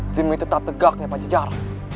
demi tetap tegaknya pancasila